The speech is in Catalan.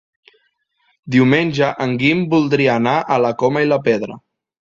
Diumenge en Guim voldria anar a la Coma i la Pedra.